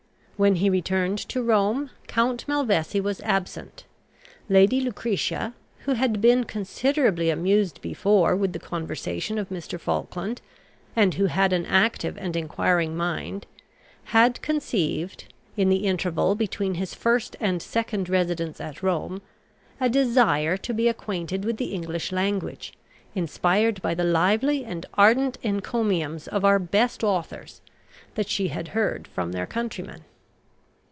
When he returned to Rome Count Malvesi was absent. Lady Lucretia, who had been considerably amused before with the conversation of Mr. Falkland, and who had an active and enquiring mind, had conceived, in the interval between his first and second residence at Rome, a desire to be acquainted with the English language, inspired by the lively and ardent encomiums of our best authors that she had heard from their countryman.